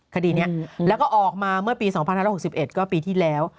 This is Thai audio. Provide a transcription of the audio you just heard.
คดีนี้แล้วก็ออกมาเมื่อปี๒๕๖๑ก็ปีที่แล้ว